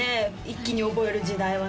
一気に覚える時代はね